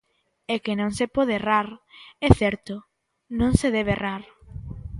É que non se pode errar, é certo, non se debe errar.